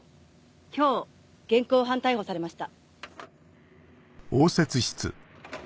今日現行犯逮捕されました。